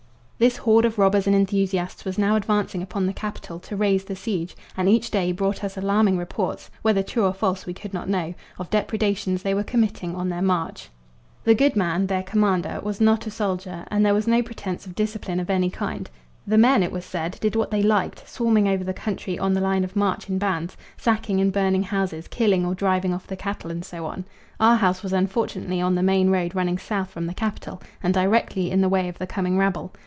This horde of robbers and enthusiasts was now advancing upon the capital to raise the siege, and each day brought us alarming reports whether true or false we could not know of depredations they were committing on their march. The good man, their commander, was not a soldier, and there was no pretence of discipline of any kind; the men, it was said, did what they liked, swarming over the country on the line of march in bands, sacking and burning houses, killing or driving off the cattle, and so on. Our house was unfortunately on the main road running south from the capital, and directly in the way of the coming rabble.